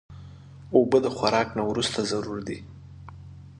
اوبه د خوراک نه وروسته ضرور دي.